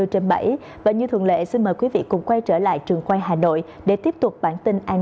hai mươi trên bảy và như thường lệ xin mời quý vị cùng quay trở lại trường quay hà nội để tiếp tục bản tin an